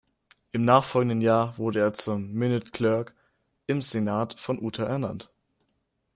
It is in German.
Im nachfolgenden Jahr wurde er zum "Minute Clerk" im Senat von Utah ernannt.